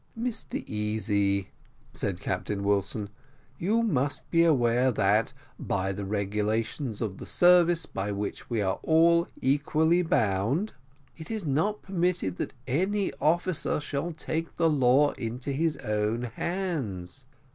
"Mr Easy," said Captain Wilson, "you must be aware that, by the regulations of the service by which we are all equally bound, it is not permitted that any officer shall take the law into his own hands.